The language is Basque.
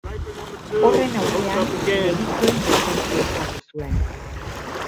Horren aurrean, medikuen presentzia eskatu zuen.